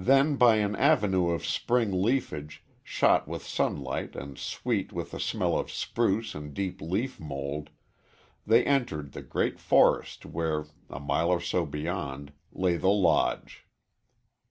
Then by an avenue of spring leafage, shot with sunlight and sweet with the smell of spruce and deep leaf mold, they entered the great forest where, a mile or so beyond, lay the Lodge.